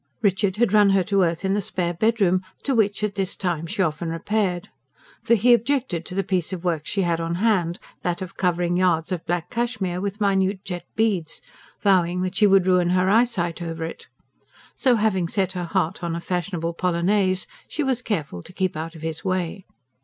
Richard had run her to earth in the spare bedroom, to which at this time she often repaired. For he objected to the piece of work she had on hand that of covering yards of black cashmere with minute jet beads vowing that she would ruin her eyesight over it. So, having set her heart on a fashionable polonaise, she was careful to keep out of his way.